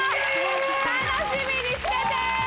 楽しみにしてて！